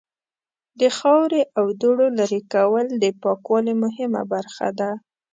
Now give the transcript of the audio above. د خاورې او دوړو لرې کول د پاکوالی مهمه برخه ده.